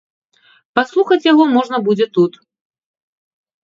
Паслухаць яго можна будзе тут.